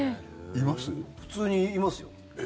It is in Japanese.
普通にいますよ。